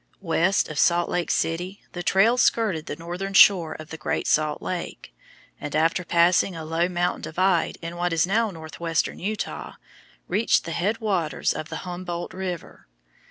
West of Salt Lake City the trail skirted the northern shore of the Great Salt Lake, and after passing a low mountain divide in what is now northwestern Utah, reached the head waters of the Humboldt River.